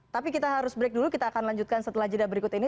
tapi kita harus break dulu kita akan lanjutkan setelah jeda berikut ini